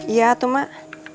iya tuh mak